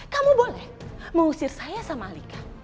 kamu boleh mengusir saya sama alika